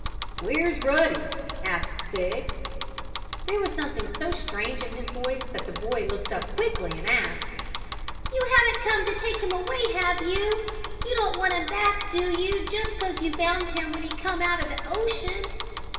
"Where's Ruddy?" asked Sig. There was something so strange in his voice that the boy looked up quickly and asked: "You haven't come to take him away; have you? You don't want him back, do you, just 'cause you found him when he come out of the ocean?"